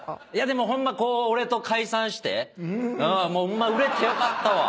でもホンマ俺と解散して売れてよかったわ。